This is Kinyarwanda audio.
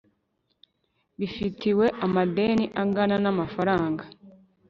bifitiwe amadeni angana n amafaranga